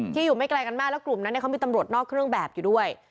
อยู่ไม่ไกลกันมากแล้วกลุ่มนั้นเขามีตำรวจนอกเครื่องแบบอยู่ด้วย